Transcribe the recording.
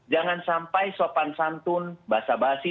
jangan sampai sopan santun basa basi